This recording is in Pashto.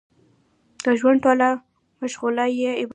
د ژوند ټوله مشغولا يې عبادت او د قران تلاوت و.